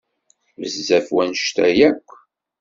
Bezzaf wanect-a akk.